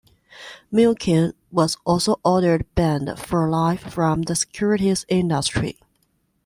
Milken was also ordered banned for life from the securities industry.